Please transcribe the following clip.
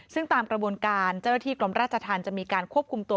ซึ่งตามกระบวนการเจ้าหน้าที่กรมราชธรรมจะมีการควบคุมตัว